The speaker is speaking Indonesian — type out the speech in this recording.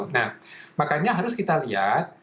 nah makanya harus kita lihat